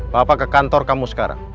bapak ke kantor kamu sekarang